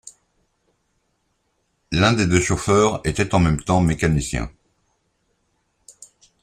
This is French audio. L’un des deux chauffeurs était en même temps mécanicien.